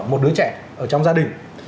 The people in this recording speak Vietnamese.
một đứa trẻ ở trong gia đình